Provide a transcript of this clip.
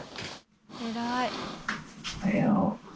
偉い。